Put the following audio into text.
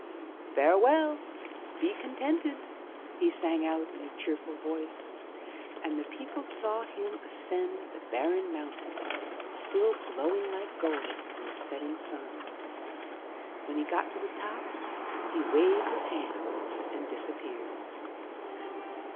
"Farewell, be contented," he sang out in a cheerful voice, and the people saw him ascend the barren mountain still glowing like gold in the setting sun. When he got to the top, he waved his hand and disappeared.